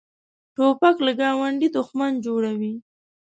توپک له ګاونډي دښمن جوړوي.